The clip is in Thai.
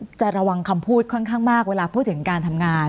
จะระวังคำพูดค่อนข้างมากเวลาพูดถึงการทำงาน